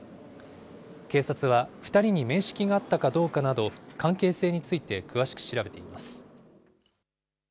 警察は、２人に面識があったかどうかなど、関係性について詳しく調べています。